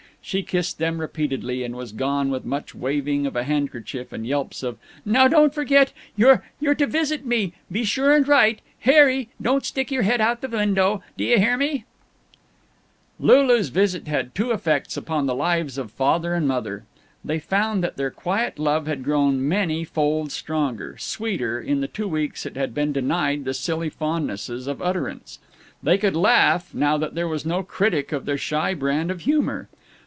She kissed them repeatedly and was gone with much waving of a handkerchief and yelps of "Now don't forget you're you're to visit me be sure and write Harry, don't stick your head out of the window, d'yuhhearme?" Lulu's visit had two effects upon the lives of Father and Mother. They found that their quiet love had grown many fold stronger, sweeter, in the two weeks it had been denied the silly fondnesses of utterance. They could laugh, now that there was no critic of their shy brand of humor.